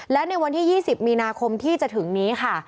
และในวันที่๒๐มีนาคมที่จะถึงนี้ค่ะ